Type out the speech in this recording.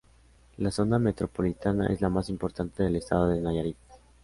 La Zona Metropolitana es la más importante del estado de Nayarit.